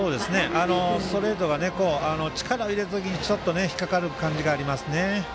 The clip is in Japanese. ストレートが力を入れた時に引っかかる感じがありますね。